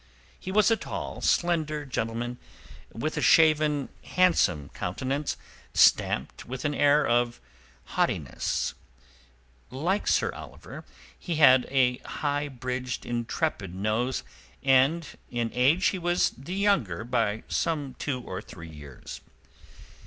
He was a tall, slender gentleman, with a shaven, handsome countenance, stamped with an air of haughtiness; like Sir Oliver, he had a high bridged, intrepid nose, and in age he was the younger by some two or three years.